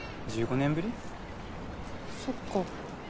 そっか。